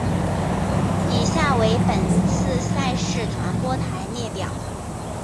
以下为本次赛事转播台列表。